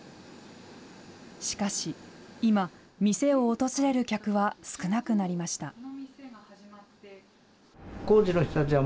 しかし今、店を訪れる客は少なくなりました。